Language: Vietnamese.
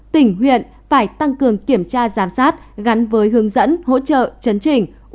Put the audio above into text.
tỉnh huyện phải tăng cường kiểm tra giám sát gắn với hướng dẫn hỗ trợ chấn trình